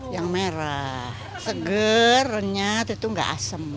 yang merah seger renyat itu nggak asem